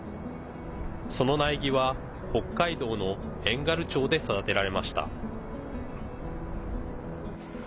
その苗木は北海道の遠軽町で育てられました。